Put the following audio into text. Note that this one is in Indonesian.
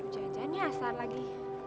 jajanya asal lagi